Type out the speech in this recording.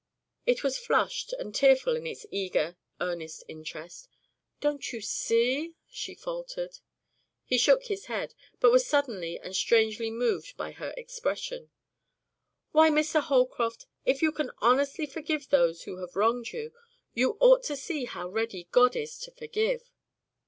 It was flushed and tearful in its eager, earnest interest. "Don't you see?" she faltered. He shook his head, but was suddenly and strangely moved by her expression. "Why, Mr. Holcroft, if you can honestly forgive those who have wronged you, you ought to see how ready God is to forgive."